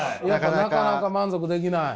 なかなか満足できない？